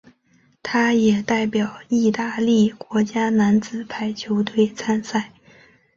他也代表意大利国家男子排球队参赛。